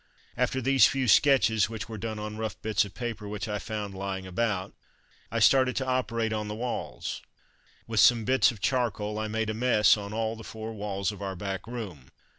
After these few sketches, which were done on rough bits of paper which I found lying about, I started to operate on the walls. With some bits of charcoal, I made a mess on all the four walls of our back room.